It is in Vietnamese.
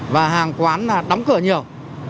và hàng quán đóng cửa nhiều